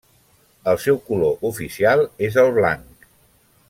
El seu color oficial és el blanc.